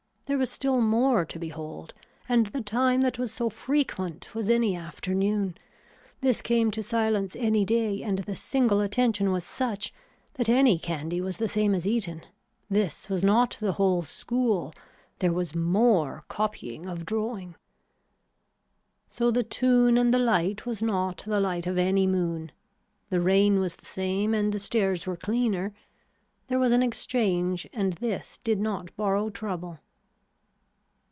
There was still more to behold and the time that was so frequent was any afternoon. This came to silence any day and the single attention was such that any candy was the same as eaten. This was not the whole school. There was more copying of drawing. So the tune and the light was not the light of any moon. The rain was the same and the stairs were cleaner. There was an exchange and this did not borrow trouble.